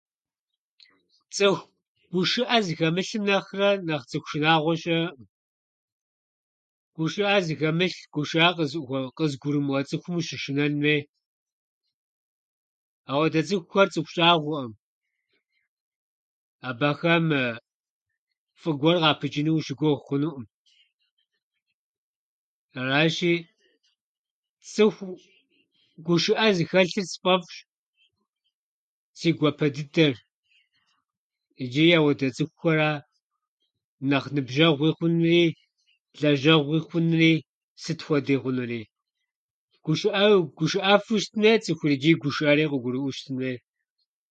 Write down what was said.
Цӏыху гушыӏэ зыхэмылъым нэхърэ нэхъ цӏыху шынагъуэ щыӏэӏым. Гушыӏэ зыхэмылъ, гушыӏэ къызгу- къызыгурымыӏуэ цӏыхум ущышынэн хуей. Ауэдэ цӏыхухьэр цӏыху щӏагъуэӏым. Абыхэм фӏы гуэр къапычӏыну уащыгугъ хъунуӏым. Аращи, цӏыху гушыӏэ зыхэлъыр сфӏэфӏщ, си гуапэ дыдэщ. Ичӏи ауэдэ цӏыхура нэхъ ныбжьэгъуи хъунури, лэжьэгъуи хъунури, сытхуэдэ хъунури. гушыӏэ- Гушыӏэфу щытын хуей цӏыхур ичӏи гушыӏэри къыгурыӏуэу щытын хуей.